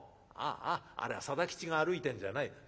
ああありゃ定吉が歩いてんじゃない。